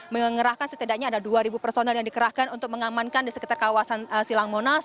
mengerahkan setidaknya ada dua personel yang dikerahkan untuk mengamankan di sekitar kawasan silang monas